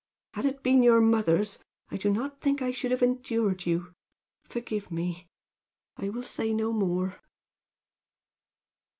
Had it been your mother's, I do not think I should have endured you. Forgive me! I will say no more."